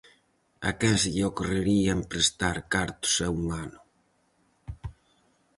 A quen se lle ocorrería emprestar cartos a un ano?